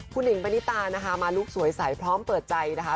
คุณหิงปณิตานะคะมาลูกสวยใสพร้อมเปิดใจนะคะ